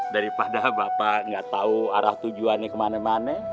daripada bapak gak tau arah tujuannya kemana mana